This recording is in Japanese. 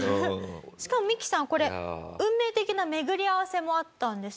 しかもミキさんこれ運命的な巡り合わせもあったんですよね？